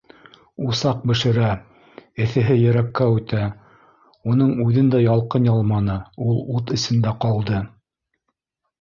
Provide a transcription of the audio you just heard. Усаҡ бешерә, эҫеһе йөрәккә үтә, уның үҙен дә ялҡын ялманы, ул ут эсендә ҡалды!